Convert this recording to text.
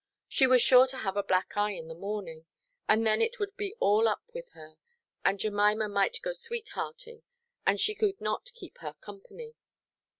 She was sure to have a black eye in the morning, and then it would be all up with her; and Jemima might go sweethearting, and she could not keep her company.